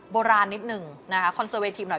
โบราณนิดหนึ่งนะคะคอนเซอร์เวทีหน่อย